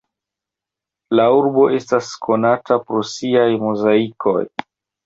La urbo estas konata pro siaj mozaikoj.